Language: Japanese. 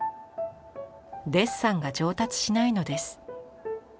デッサンが上達しないのです。